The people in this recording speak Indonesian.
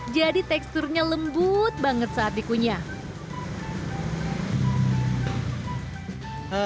jadi teksturnya lembut banget saat dikunyah